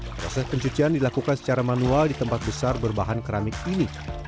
proses pencucian dilakukan secara manual di tempat besar berbahan keramik ini